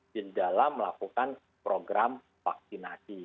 di dalam melakukan program vaksinasi